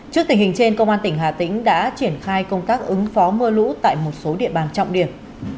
trước tình hình trên công an tỉnh hà tĩnh đã triển khai công tác ứng phó mưa lũ tại một số địa bàn trọng điểm